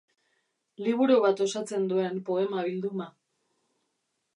Liburu bat osatzen duen poema bilduma.